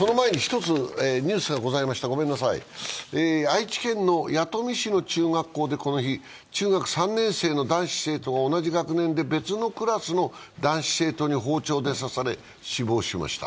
愛知県の弥富市の中学校で、この日、中学３年生の男子生徒が同じ学年で別のクラスの男子生徒に包丁で刺され死亡しました。